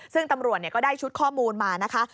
ซึ่งตำรวจก็ได้ชุดข้อมูลมานะคะ